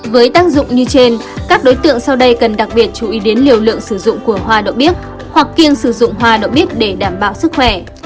với tác dụng như trên các đối tượng sau đây cần đặc biệt chú ý đến liều lượng sử dụng của hoa đậu bíp hoặc kiêng sử dụng hoa đậu bít để đảm bảo sức khỏe